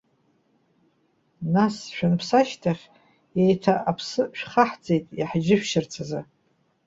Нас, шәанԥсы ашьҭахь еиҭах аԥсы шәхаҳҵеит иаҳџьышәшьарц азы.